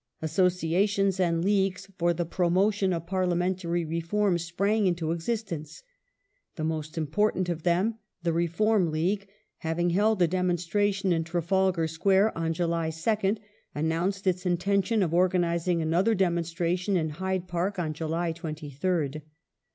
Associations and leagues for the promotion of parliamentary reform sprang into existence. The most important of them — the Reform League — having held a demonstration in Trafalgar Square on July 2nd, announced its intention of organizing another demonstration in Hyde Park on July 23rd.